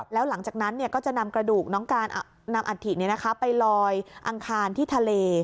แล้วหลังจากนั้นก็จะนำกระดูกน้องการนำอัฐิไปลอยอังคารที่ทะเล